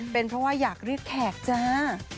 เป็นเพราะว่าอยากเรียกแขกจ้า